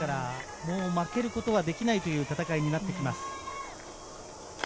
もう負けることはできないという戦いになってきます。